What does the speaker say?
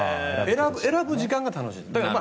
選ぶ時間が楽しい。